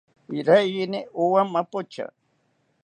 Iraiyini owa mapocha